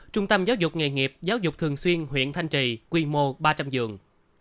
trung tâm giáo dục nghề nghiệp giáo dục thường xuyên huyện thanh trì quy mô ba trăm linh giường